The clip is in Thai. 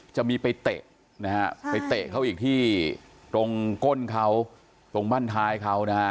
จะมีไปเตะนะฮะไปเตะเขาอีกที่ตรงก้นเขาตรงบ้านท้ายเขานะฮะ